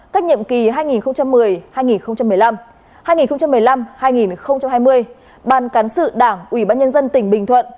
các nhiệm kỳ hai nghìn một mươi hai nghìn một mươi năm hai nghìn một mươi năm hai nghìn hai mươi ban cán sự đảng ủy ban nhân dân tỉnh bình thuận